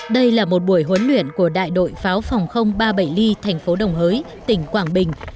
đây là một buổi huấn luyện của đại đội pháo phòng ba mươi bảy ly thành phố đồng hới tỉnh quảng bình